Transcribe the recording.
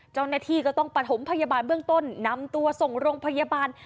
เจ้าหน้าที่ก็ต้องประถมพยาบาลเบื้องต้นนำตัวส่งโรงพยาบาล